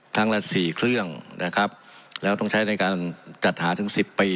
ละสี่เครื่องนะครับแล้วต้องใช้ในการจัดหาถึงสิบปี